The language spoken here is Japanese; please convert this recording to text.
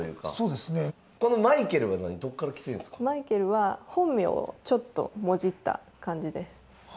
まいけるは本名をちょっともじった感じです。